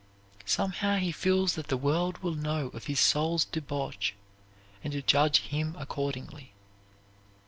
Somehow he feels that the world will know of his soul's debauch and judge him accordingly.